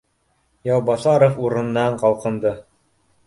Яубаҫаров урынынан ҡалҡынды: